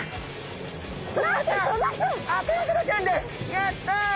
やった！